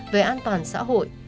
về an toàn xã hội